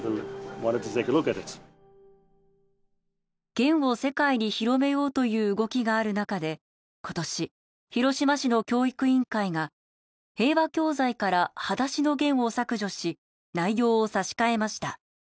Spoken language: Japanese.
『ゲン』を世界に広めようという動きがあるなかで今年広島市の教育委員会が平和教材から『はだしのゲン』を削除し内容を差し替えました。